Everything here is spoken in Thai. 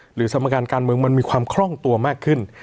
สมการการเมืองมันมีความคล่องตัวมากขึ้น